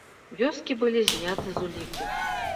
Вёскі былі знята з уліку.